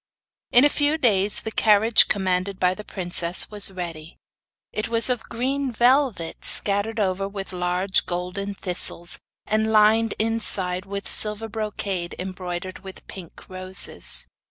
In a few days the carriage commanded by the princess was ready. It was of green velvet, scattered over with large golden thistles, and lined inside with silver brocade embroidered with pink roses.